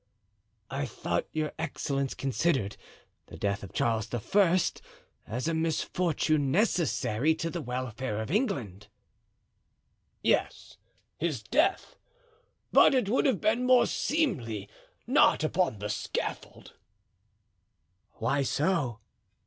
"I thought your excellence considered the death of Charles I. as a misfortune necessary to the welfare of England." "Yes, his death; but it would have been more seemly not upon the scaffold." "Why so?"